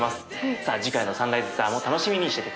さあ次回のサンライズツアーも楽しみにしてて下さい。